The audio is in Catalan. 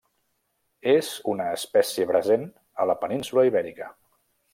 És una espècie present a la península Ibèrica.